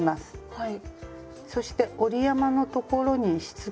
はい。